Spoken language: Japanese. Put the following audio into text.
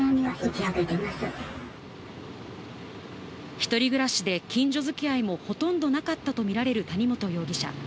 一人暮らしで、近所づきあいもほとんどなかったとみられる谷本容疑者。